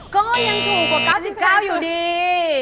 ก็ยังถูกกว่า๙๙อยู่ดี